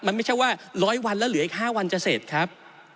มันไม่ใช่ว่า๑๐๐วันแล้วเหลืออีก๕วันจะเสร็จครับ